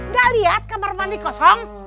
gak lihat kamar mandi kosong